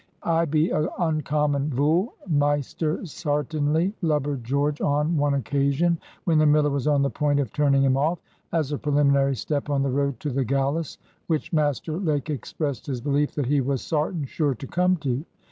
"I be a uncommon vool, maester, sartinly," blubbered George on one occasion when the miller was on the point of turning him off, as a preliminary step on the road to the "gallus," which Master Lake expressed his belief that he was "sartin sure to come to."